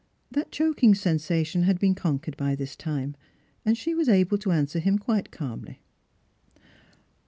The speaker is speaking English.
That choking sensation had been conquered by this time, and she was able to answer him quite calmly.